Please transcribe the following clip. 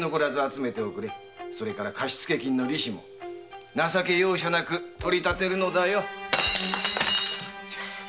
貸付金の利子も情け容赦なく取り立てるのだよ。